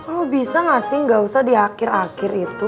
lo bisa gak sih gak usah di akhir akhir itu